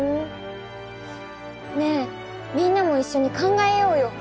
ねえみんなもいっしょに考えようよ。